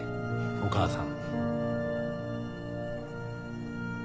お母さん。